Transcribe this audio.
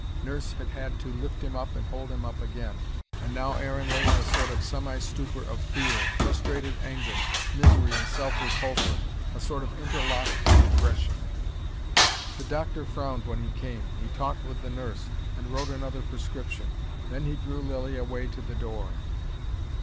Nurse had had to lift him up and hold him up again. And now Aaron lay in a sort of semi stupor of fear, frustrated anger, misery and self repulsion: a sort of interlocked depression. The doctor frowned when he came. He talked with the nurse, and wrote another prescription. Then he drew Lilly away to the door.